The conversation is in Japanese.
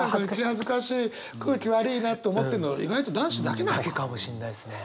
恥ずかしい空気悪いなと思ってんの意外と男子だけなのかも。だけかもしんないですね。